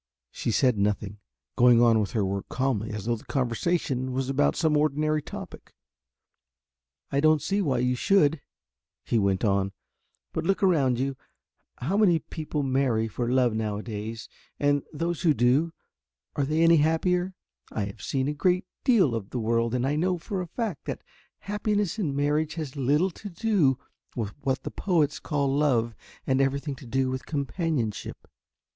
She said nothing, going on with her work calmly as though the conversation was about some ordinary topic. "I don't see why you should," he went on, "but look around you how many people marry for love now a days and those who do, are they any the happier? I have seen a very great deal of the world and I know for a fact that happiness in marriage has little to do with what the poets call love and everything to do with companionship.